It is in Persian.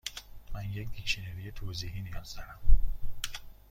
من یک دیکشنری توضیحی نیاز دارم.